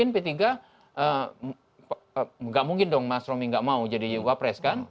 pertiga nggak mungkin dong mas romy nggak mau jadi cawa pres kan